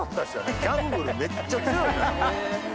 ギャンブルめっちゃ強い。